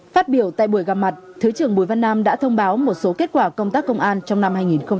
phát biểu tại buổi gặp mặt thứ trưởng bùi văn nam đã thông báo một số kết quả công tác công an trong năm hai nghìn hai mươi ba